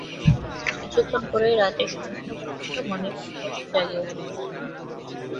কিছুক্ষণ পরেই রাত্রির সমস্ত ঘটানাটা মনে স্পষ্ট জাগিয়া উঠিল।